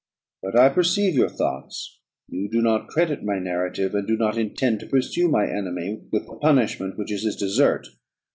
But I perceive your thoughts: you do not credit my narrative, and do not intend to pursue my enemy with the punishment which is his desert."